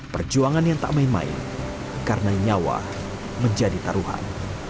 perjuangan yang tak main main karena nyawa menjadi taruhan